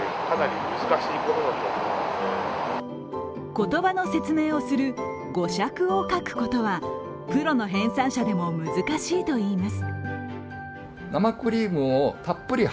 言葉の説明をする語釈を書くことはプロの編さん者でも難しいといいます。